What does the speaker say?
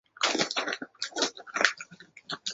这说明了电压器的等效电阻和电压源频率的反关系。